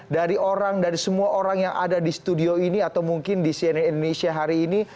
dan dari semua orang yang ada di studio ini atau mungkin di cnn indonesia hari ini